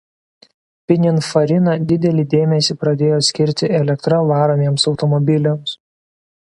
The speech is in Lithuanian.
Pininfarina didelį dėmesį pradėjo skirti elektra varomiems automobiliams.